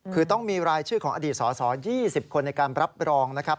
คือต้องมีรายชื่อของอดีตสส๒๐คนในการรับรองนะครับ